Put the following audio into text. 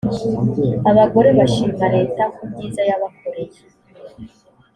abagore bashima leta ku byiza yabakoreye.